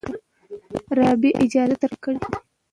رابعه اجازه ترلاسه کړې ده.